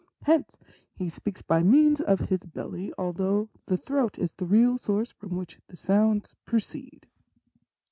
Hence he speaks by means of his belly, although the throat is the real source from which the sounds proceed.'